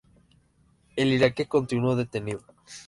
El iraquí continúa detenido.